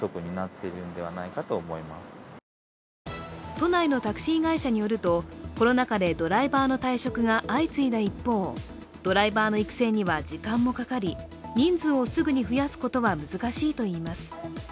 都内のタクシー会社によるとコロナ禍でドライバーの退職が相次いだ一方、ドライバーの育成には時間もかかり人数をすぐに増やすことは難しいといいます。